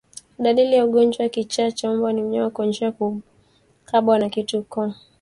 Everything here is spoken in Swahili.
Dalili ya ugonjwa wa kichaa cha mbwa ni mnyama kuonyesha kukabwa na kitu kooni